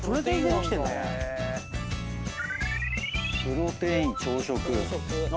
プロテイン朝食。